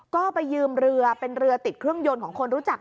ก็ไปยืมเรือเป็นเรือติดเครื่องยนต์ของคนรู้จัก